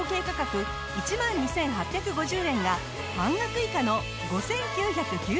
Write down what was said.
１万２８５０円が半額以下の５９９０円。